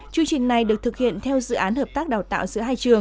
chương trình này được thực hiện theo dự án hợp tác đào tạo giữa hai trường